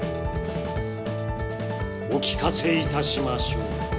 お聞かせいたしましょう。